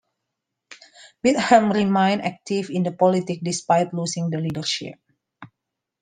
Beetham remained active in politics despite losing the leadership.